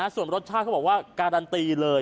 ส่วนรสชาติเขาบอกว่าการันตีเลย